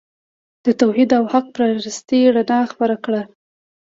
د توحید او حق پرستۍ رڼا خپره کړه.